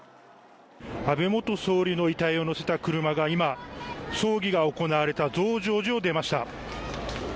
安倍元総理の遺体を乗せた車が今、葬儀が行われた増上寺を出ました。